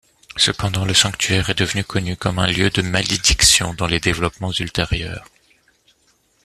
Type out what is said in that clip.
Cependant, le sanctuaire est devenu connu comme lieu de malédiction dans les développements ultérieurs.